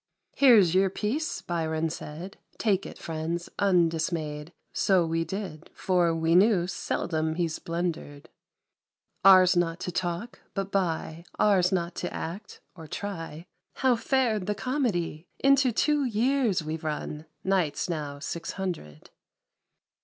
" Here's your piece," Byron said, " Take it friends, undismayed," So we did, for we knew Seldom he's blundered ! Ours not to talk, but buy, Ours but to act (or try !) How fared the Comedy ! Into two years we've run. Nights now Six Hundred.